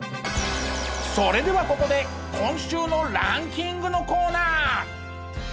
それではここで今週のランキングのコーナー！